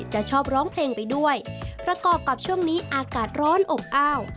จะชอบร้องเพลงไปด้วยประกอบกับช่วงนี้อากาศร้อนอบอ้าว